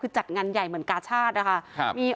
จำงานใหญ่เหมือนกาชาติ